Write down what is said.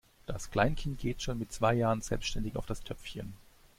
Das Kleinkind geht schon mit zwei Jahren selbstständig auf das Töpfchen.